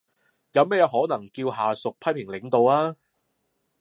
有乜嘢可能叫下屬批評領導呀？